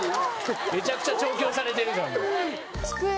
めちゃくちゃ調教されてるじゃん。